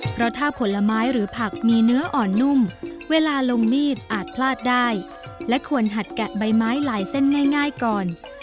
เพราะถ้าผลไม้หรือผักมีเนื้ออ่อนนุ่มเวลาลงมีดอาจพลาดได้และควรหัดแกะใบไม้ลายเส้นง่ายก่อน